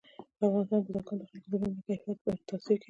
په افغانستان کې بزګان د خلکو د ژوند په کیفیت تاثیر کوي.